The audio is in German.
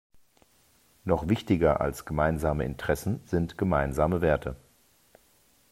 Noch wichtiger als gemeinsame Interessen sind gemeinsame Werte.